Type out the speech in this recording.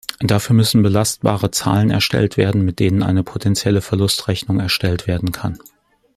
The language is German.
Dafür müssen belastbare Zahlen erstellt werden, mit denen eine potentielle Verlust-Rechnung erstellt werden kann.